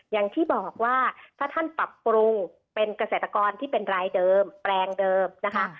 อย่างที่บอกว่าถ้าท่านปรับปรุงเป็นเกษตรกรที่เป็นรายเดิมแปลงเดิมนะคะ